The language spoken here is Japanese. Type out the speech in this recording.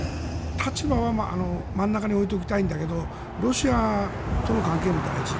立場は真ん中に置いておきたいけどロシアとの関係も大事。